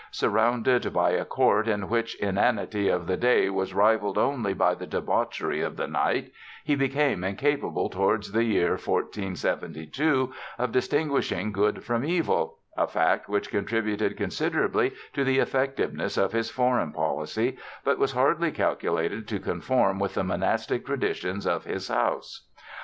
Surrounded by a Court in which the inanity of the day was rivaled only by the debauchery of the night, he became incapable towards the year 1472 of distinguishing good from evil, a fact which contributed considerably to the effectiveness of his foreign policy, but was hardly calculated to conform with the monastic traditions of his House.